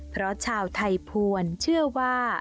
เพราะชาวไทยภวรเชื่อว่า